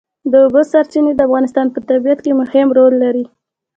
د اوبو سرچینې د افغانستان په طبیعت کې مهم رول لري.